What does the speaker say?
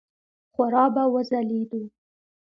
خورا به وځلېدو.